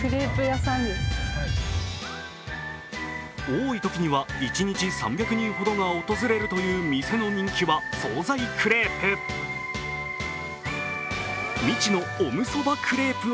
多いときには１日３００人ほどが訪れるという店の人気は総菜クレープ。